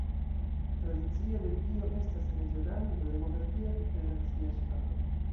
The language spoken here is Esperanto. Tradicie Belgio estas Reĝolando, demokratia kaj federacia ŝtato.